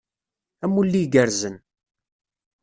Amulli igerrzen!